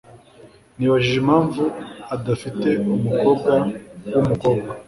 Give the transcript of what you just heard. Nibajije impamvu adafite umukobwa wumukobwa.